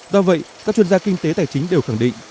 do vậy các chuyên gia kinh tế tài chính đều khẳng định